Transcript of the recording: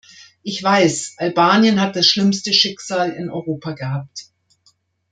Ich weiß, Albanien hat das schlimmste Schicksal in Europa gehabt.